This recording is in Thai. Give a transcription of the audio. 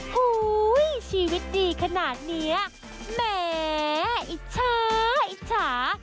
เฮ้ยชีวิตดีขนาดนี้แหมอิจฉาอิจฉา